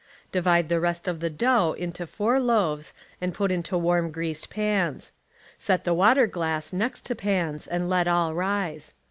Divide the rest of the dough into four loaves and put into warm greased pans. Set the water glass next to pans and let all rise.